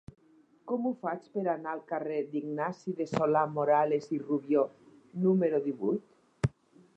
Com ho faig per anar al carrer d'Ignasi de Solà-Morales i Rubió número divuit?